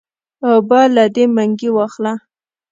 اوبۀ له دې منګي واخله